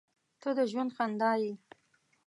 • ته د ژوند خندا یې.